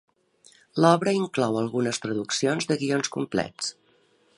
L'obra inclou algunes traduccions de guions complets.